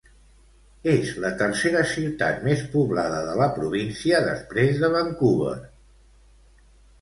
És la tercera ciutat més poblada de la província després de Vancouver.